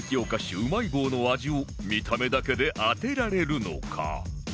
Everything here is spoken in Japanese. うまい棒の味を見た目だけで当てられるのか？